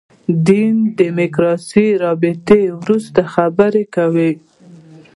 دین دیموکراسي رابطې وروستۍ خبره وکړي.